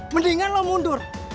mendingan lo mundur